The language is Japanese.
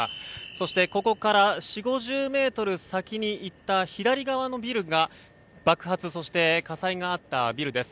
そして、ここから４０５０ｍ先に行った左側のビルが爆発、そして火災があったビルです。